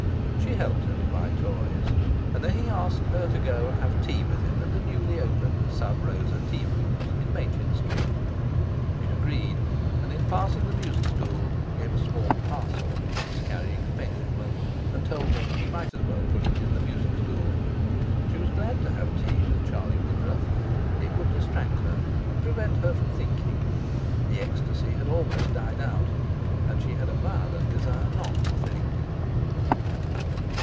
She helped him to buy toys, and then he asked her to go and have tea with him at the newly opened Sub Rosa Tea Rooms, in Machin Street. She agreed, and, in passing the music stool, gave a small parcel which she was carrying to Penkethman, and told him he might as well put it in the music stool. She was glad to have tea with Charlie Woodruff. It would distract her, prevent her from thinking. The ecstasy had almost died out, and she had a violent desire not to think.